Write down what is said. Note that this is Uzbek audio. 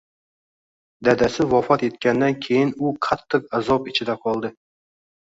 Dadasi vafot etgandan keyin u qattiq azob ichida qoldi